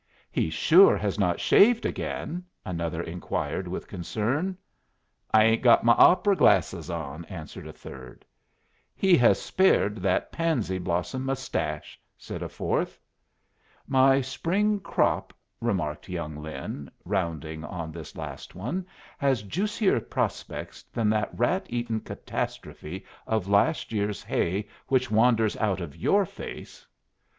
"He sure has not shaved again?" another inquired, with concern. "I ain't got my opera glasses on," answered a third. "He has spared that pansy blossom mustache," said a fourth. "My spring crop," remarked young Lin, rounding on this last one, "has juicier prospects than that rat eaten catastrophe of last year's hay which wanders out of your face."